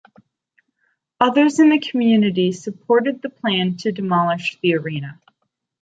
Others in the community supported the plan to demolish the arena.